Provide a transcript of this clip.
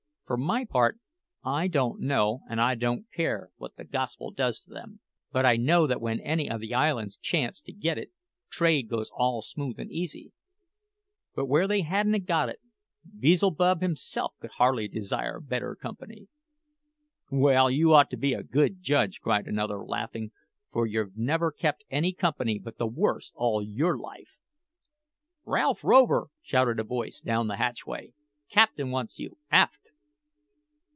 For my part, I don't know, and I don't care, what the Gospel does to them; but I know that when any o' the islands chance to get it, trade goes all smooth and easy. But where they ha'n't got it, Beelzebub himself could hardly desire better company." "Well, you ought to be a good judge," cried another, laughing, "for you've never kept any company but the worst all your life!" "Ralph Rover!" shouted a voice down the hatchway; "captain wants you, aft."